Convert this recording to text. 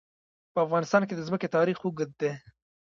په افغانستان کې د ځمکه تاریخ اوږد دی.